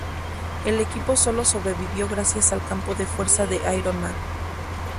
El equipo solo sobrevivió gracias al campo de fuerza de Iron Man.